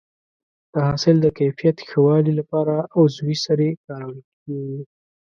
د حاصل د کیفیت ښه والي لپاره عضوي سرې کارول کېږي.